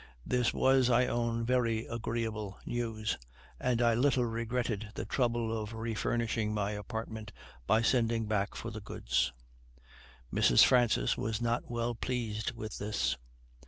This was, I own, very agreeable news, and I little regretted the trouble of refurnishing my apartment, by sending back for the goods. Mrs. Francis was not well pleased with this.